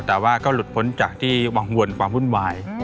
แต่ว่าก็หลุดพ้นจากที่วังวลความวุ่นวาย